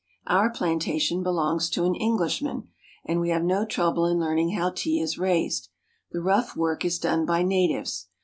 Our plantation belongs to an Englishman, and we have no trouble in learning how tea is raised. The rough work is done by natives.